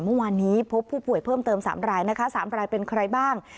เมื่อวานนี้พบผู้ป่วยเพิ่มเติม๓รายนะคะ๓รายเป็นใครบ้าง